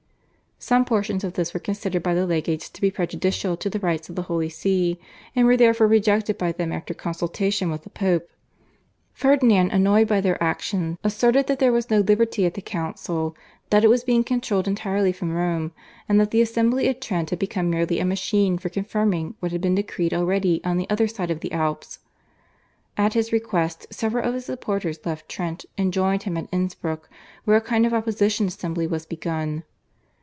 Some portions of this were considered by the legates to be prejudicial to the rights of the Holy See, and were therefore rejected by them after consultation with the Pope. Ferdinand annoyed by their action asserted that there was no liberty at the council, that it was being controlled entirely from Rome, and that the assembly at Trent had become merely a machine for confirming what had been decreed already on the other side of the Alps. At his request several of his supporters left Trent and joined him at Innsbruck, where a kind of opposition assembly was begun.